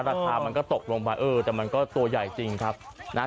ราคามันก็ตกลงไปเออแต่มันก็ตัวใหญ่จริงครับนะฮะ